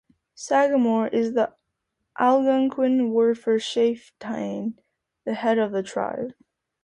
"Sagamore" is the Algonquin word for chieftain, the head of the tribe.